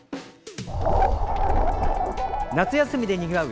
夏休みでにぎわう